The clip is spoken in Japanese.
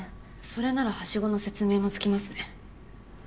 それならハシゴの説明もつきますね。